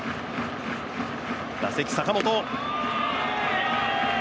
打席・坂本。